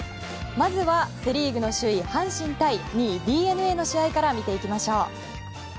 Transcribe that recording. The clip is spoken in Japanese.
まずはセ・リーグの首位、阪神対２位ＤｅＮＡの試合から見ていきましょう。